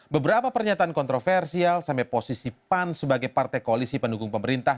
beberapa pernyataan kontroversial sampai posisi pan sebagai partai koalisi pendukung pemerintah